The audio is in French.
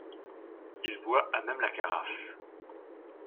Il boit à même la carafe.